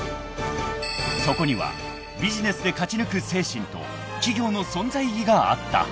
［そこにはビジネスで勝ち抜く精神と企業の存在意義があった］